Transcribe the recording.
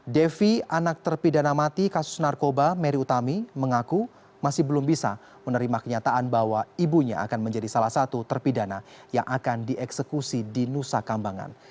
devi anak terpidana mati kasus narkoba mary utami mengaku masih belum bisa menerima kenyataan bahwa ibunya akan menjadi salah satu terpidana yang akan dieksekusi di nusa kambangan